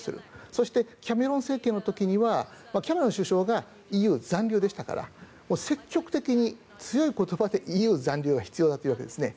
そして、キャメロン政権の時にはキャメロン首相がＥＵ残留でしたから積極的に強い言葉でＥＵ残留が必要だと言うわけですね。